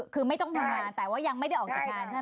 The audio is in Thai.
คือไม่ต้องทำงานแต่ว่ายังไม่ได้ออกจากงานใช่ไหม